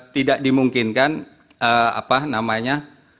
tidak dimungkinkan apa namanya